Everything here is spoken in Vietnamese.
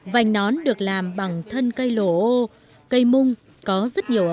vành nón được làm bằng thân cây lỗ ô cây mung có rất nhiều khung